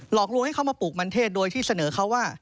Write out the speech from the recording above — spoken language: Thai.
หลอกลวงให้เขามาปลูกมันเทศโดยที่เสนอเขาว่า